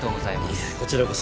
いやこちらこそ。